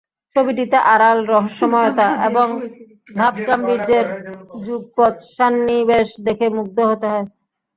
ছবিটিতে আড়াল, রহস্যময়তা এবং ভাবগাম্ভীর্যের যুগপৎ সন্নিবেশ দেখে মুগ্ধ হতে হয়।